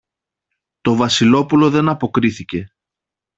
Το Βασιλόπουλο δεν αποκρίθηκε.